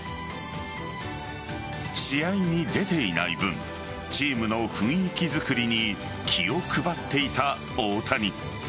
試合に出ていない分チームの雰囲気づくりに気を配っていた大谷。